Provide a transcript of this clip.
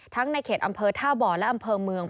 ในเขตอำเภอท่าบ่อและอำเภอเมือง